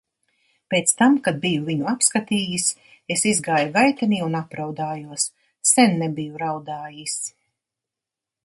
Pēc tam, kad biju viņu apskatījis, es izgāju gaitenī un apraudājos. Sen nebiju raudājis.